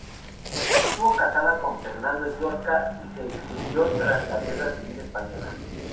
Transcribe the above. Estuvo casada con Fernando Llorca, y se exilió tras la Guerra Civil Española.